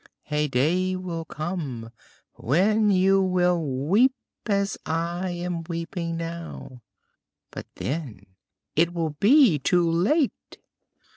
A day will come when you will weep as I am weeping now, but then it will be too late!"